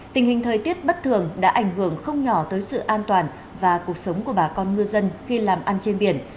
tình hình thời tiết bất thường đã ảnh hưởng không nhỏ tới sự an toàn và cuộc sống của bà con ngư dân khi làm ăn trên biển